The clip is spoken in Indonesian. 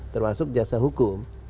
termasuk jasa hukum